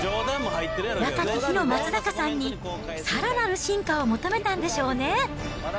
若き日の松坂さんにさらなる進化を求めたんでしょうね。